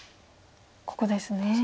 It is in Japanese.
ここですね。